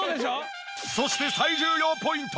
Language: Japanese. そして最重要ポイント。